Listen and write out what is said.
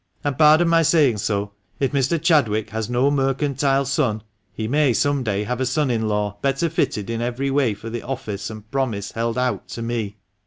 And, pardon my saying so, if Mr. Chadwick has no mercantile son, he may some day have a son in law better fitted in every way for the office and promise held out to me.